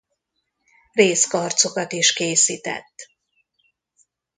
Rézkarcokat is készített.